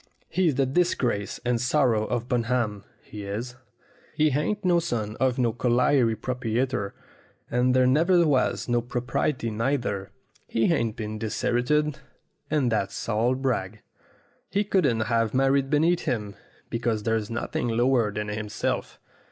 He's the disgrace and sorrow of Bunham, he is. He ain't no son of no colliery proprietor, and there never was no property neither. He ain't been dis herited, and that's all brag. He couldn't have married beneath him, because there's nothing lower than him self.